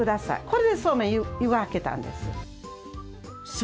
これでそうめん、湯がけたんです。